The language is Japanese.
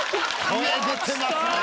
声出てますね。